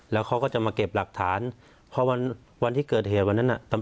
แล้วเขาก็จะมาเก็บหลักฐานพอวันวันที่เกิดเหตุวันนั้นน่ะ